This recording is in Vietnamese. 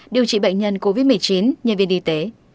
điều trị bệnh nhân covid một mươi chín nhân viên y tế